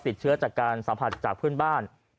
ติดเชื้อจากการสัมผัสจากเพื่อนบ้าน